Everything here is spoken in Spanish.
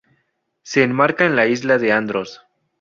Se enmarca en la isla de Andros.